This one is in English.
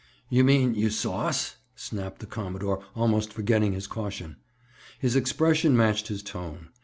"You mean you saw us?" snapped the commodore, almost forgetting his caution. His expression matched his tone.